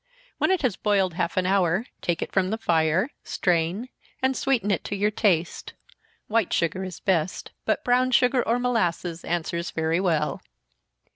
When it has boiled half an hour, take it from the fire, strain and sweeten it to your taste white sugar is the best, but brown sugar or molasses answers very well.